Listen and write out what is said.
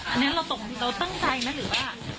อันนี้เราตกลงเราตั้งใจไหมหรือว่า